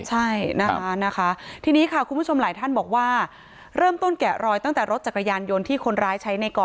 ใช่นะคะทีนี้ค่ะคุณผู้ชมหลายท่านบอกว่าเริ่มต้นแกะรอยตั้งแต่รถจักรยานยนต์ที่คนร้ายใช้ในก่อ